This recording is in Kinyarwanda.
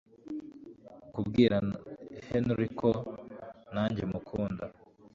kubwira Henry ko nanjye mukunda